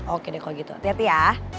oke deh kalau gitu hati hati ya